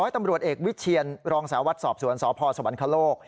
ตำรวจเอกวิทเชียรรองสาววัดสอบสวรรค์สวรรค์สวรรค์สวรรค์โลก